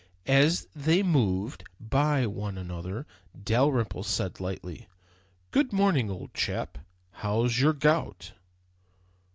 As they moved by one another Dalrymple said lightly, "Good morning, old chap. How's your gout?"